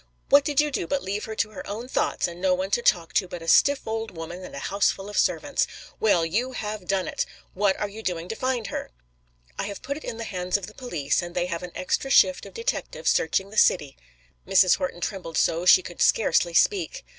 What did you do but leave her to her own thoughts and no one to talk to but a stiff old woman and a houseful of servants? Well, you have done it! What are you doing to find her?" "I have put it in the hands of the police, and they have an extra shift of detectives searching the city." Mrs. Horton trembled so she could scarcely speak.